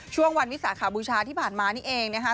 ช่วงวันวิสาขบูชาที่ผ่านมานี่เองนะคะ